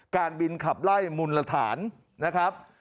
การบินขับไล่มุนละฐานนะครับ